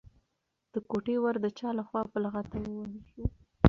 د کوټې ور د چا لخوا په لغته ووهل شو؟